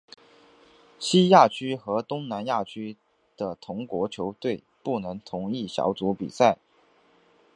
西亚区和东南亚区的同国球队不能同一小组比赛。